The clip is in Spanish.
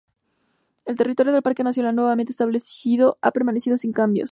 El territorio del parque nacional nuevamente establecido ha permanecido sin cambio.